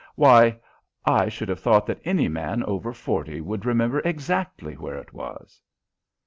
Why, I should have thought that any man over forty would remember exactly where it was."